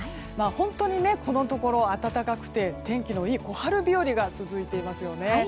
本当に、このところ暖かくて天気のいい小春日和が続いていますよね。